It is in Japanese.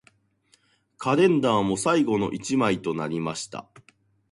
カレンダーも最後の一枚となりました